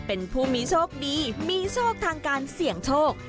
เป็นผู้มีโชคดีมีโชคทางการเสี่ยงโชค